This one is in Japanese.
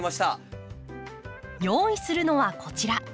用意するのはこちら。